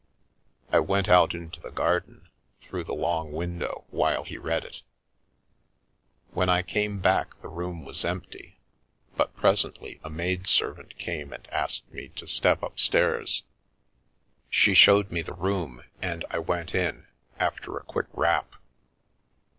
I went out into the garden, through the long window, while he read it. When I came back the room was empty, but presently a maid servant came and asked me to step upstairs. The Milky Way She showed me the room and I went in, after a quick rap.